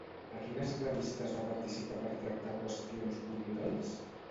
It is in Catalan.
A quines revistes va participar per tractar qüestions culturals?